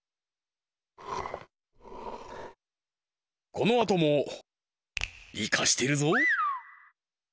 このあともイカしてるぞ！